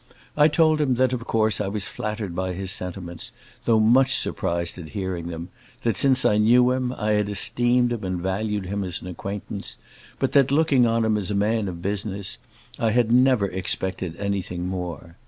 I told him that, of course, I was flattered by his sentiments, though much surprised at hearing them; that since I knew him, I had esteemed and valued him as an acquaintance, but that, looking on him as a man of business, I had never expected anything more.